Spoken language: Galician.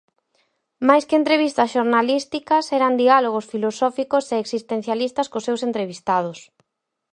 Máis que entrevistas xornalísticas eran diálogos filosóficos e existencialistas cos seus entrevistados.